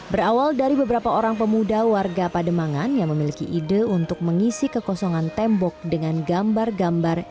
berawal dari beberapa orang pemuda warga pademangan yang memiliki ide untuk mengisi kekosongan tembok dengan gambar gambar